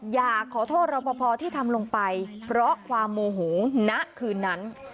อยากขอโทษรอปภที่ทำลงไปเพราะความโมโหณคืนนั้น